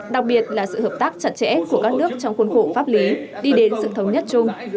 đặc biệt là sự hợp tác chặt chẽ của các nước trong khuôn khổ pháp lý đi đến sự thống nhất chung